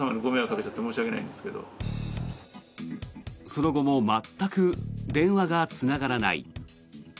その後も全く電話がつながらない。